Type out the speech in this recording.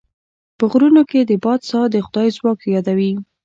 په غرونو کې د باد ساه د خدای ځواک رايادوي.